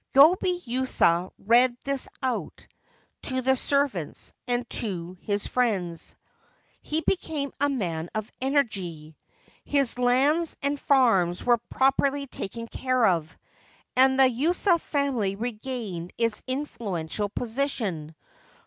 Gobei Yuasa read this out to his servants and to his friends. He became a man of energy. His lands and farms were properly taken care of, and the Yuasa family regained its influential position.